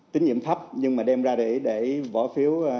tín nhiệm thấp nhưng mà đem ra để bỏ phiếu tín nhiệm